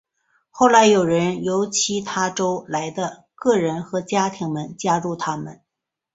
后来有从由其他州来的个人和家庭们加入他们。